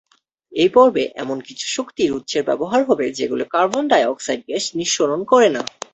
এই পর্বে এমন কিছু শক্তির উৎসের ব্যবহার হবে যেগুলি কার্বন ডাই অক্সাইড গ্যাস নিঃসরণ করে না।